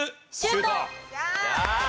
シュート！